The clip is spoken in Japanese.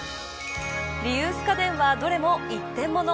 リユース家電はどれも一点物。